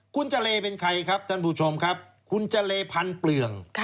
คุณเจรเป็นใครครับท่านผู้ชมครับคุณเจรพันเปลือง